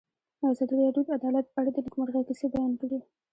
ازادي راډیو د عدالت په اړه د نېکمرغۍ کیسې بیان کړې.